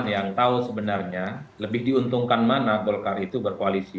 yang tahu sebenarnya lebih diuntungkan mana golkar itu berkoalisi